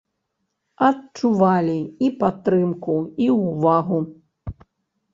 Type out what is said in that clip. Адчувалі і падтрымку, і ўвагу.